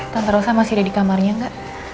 tante rosa masih ada di kamarnya engga